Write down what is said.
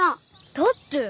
だって。